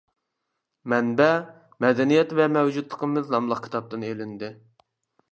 مەنبە: «مەدەنىيەت ۋە مەۋجۇتلۇقىمىز» ناملىق كىتابتىن ئىلىندى.